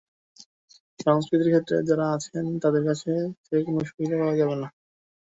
সংস্কৃতির ক্ষেত্রে যারা আছেন, তাদের কাছ থেকে কোনো সুবিধা পাওয়া যাবে না।